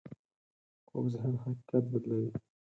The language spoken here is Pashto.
کوږ ذهن حقیقت بدلوي